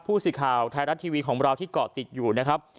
ผู้สื่อข่าวไทยรัฐทีวีของเราที่เกาะติดอยู่นะครับ